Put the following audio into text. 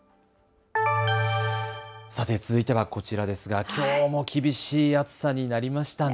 さて続いてはこちらですがきょうも厳しい暑さになりましたね。